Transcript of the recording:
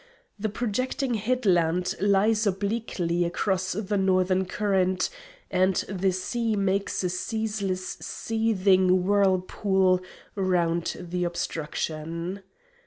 The projecting headland lies obliquely across the northern current, and the sea makes a ceaseless seething whirlpool round the obstruction.